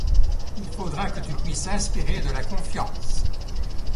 Il faudra que tu puisses inspirer de la confiance.